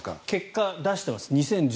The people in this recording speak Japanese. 結果出してます。